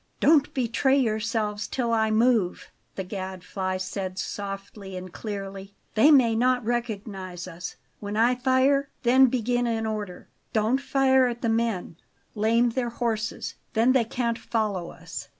"Don't betray yourselves till I move," the Gadfly said softly and clearly. "They may not recognize us. When I fire, then begin in order. Don't fire at the men; lame their horses then they can't follow us.